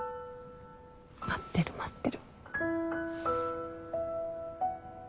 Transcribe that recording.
待ってる待ってる。